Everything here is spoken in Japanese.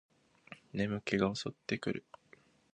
眠気が襲ってくる